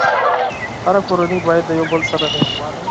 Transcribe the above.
هره کورنۍ باید د یو بل سره مهربانه وي.